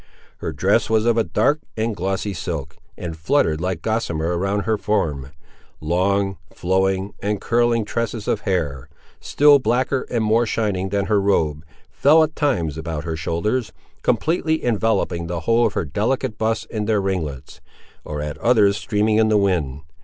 Her dress was of a dark and glossy silk, and fluttered like gossamer around her form. Long, flowing, and curling tresses of hair, still blacker and more shining than her robe, fell at times about her shoulders, completely enveloping the whole of her delicate bust in their ringlets; or at others streaming in the wind.